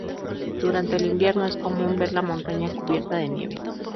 Durante el invierno es común ver la montaña cubierta de nieve.